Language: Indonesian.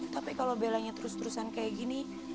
tapi kalau belanya terus terusan kayak gini